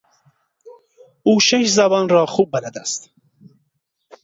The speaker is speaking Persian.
او شش زبان را خوب بلد است.